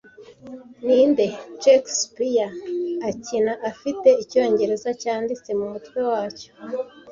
Ninde Shakespeare akina afite icyongereza cyanditse mumutwe wacyo